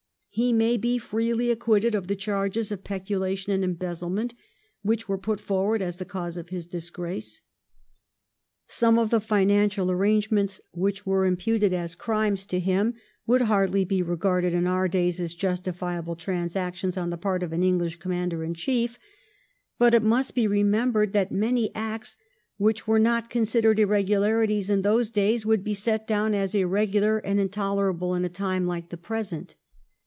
He may be freely acquitted of the charges of peculation and embezzlement which were put forward as the cause of his disgrace. Some of the financial arrangements which were imputed as 1712 WORST CHARGES DISPROVED 121 crimes to him would hardly be regarded in our days as justifiable transactions on the part of an English Commander in Chief, but it must be remembered that many acts which were not considered irregularities in those days would be set down as irregular and intolerable in a time like the present.